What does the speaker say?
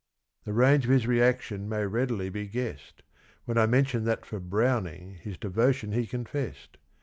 The range of his reaction may readily be guessed When I mention that for Browning his devotion he confessed.